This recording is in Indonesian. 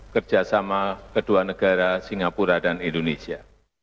kerjasama kedua negara singapura dan indonesia